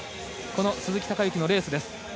鈴木孝幸のレースです。